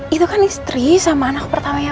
itu kan istri sama anak pertamanya